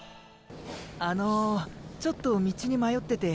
あのちょっと道に迷ってて。